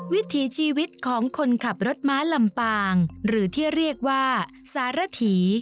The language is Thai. วิถีชีวิตของคนขับรถม้าลำปางหรือที่เรียกว่าสารถี